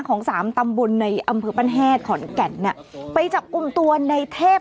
ของสามตำบลในอำเภอบ้านแฮดขอนแก่นน่ะไปจับกลุ่มตัวในเทพ